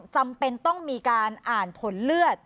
จำเป็นต้องมีการอ่านผลเลือด